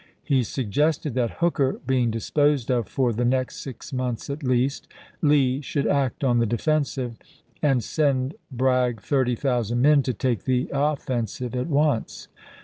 He suggested that, Hooker being disposed of for the next six months at least, Lee should act on the defensive, and send Bragg thirty thousand men to take the offensive at once.